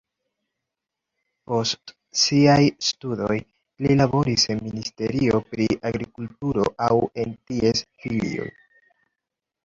Post siaj studoj li laboris en ministerio pri agrikulturo aŭ en ties filio.